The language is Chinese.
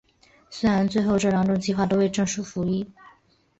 虽然最后这两种计划都未正式服役。